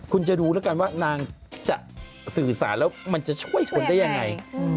คุณจะดูแล้วกันว่านางจะสื่อสารแล้วมันจะช่วยชนได้ยังไง